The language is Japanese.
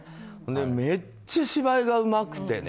めっちゃ芝居がうまくてね